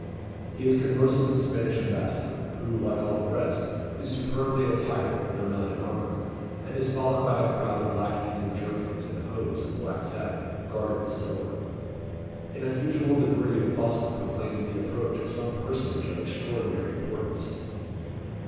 He is conversing with the Spanish Ambassador, who, like all the rest, is superbly attired, though not in armour, and is followed by a crowd of lacqueys in jerkins and hose of black satin, guarded with silver. An unusual degree of bustle proclaims the approach of some personage of extraordinary importance.